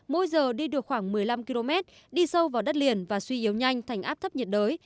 mỗi giờ đi được khoảng một mươi năm km đi sâu vào đất liền và suy yếu nhanh thành áp thấp nhiệt đới